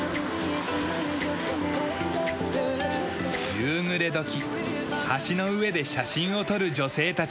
夕暮れ時橋の上で写真を撮る女性たちに会った。